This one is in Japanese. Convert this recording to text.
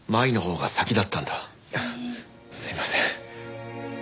すいません。